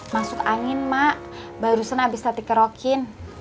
masuk angin mak barusan abis nanti kerokin